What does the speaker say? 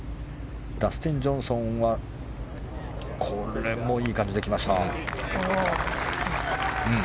ダスティン・ジョンソンはこれもいい感じできました。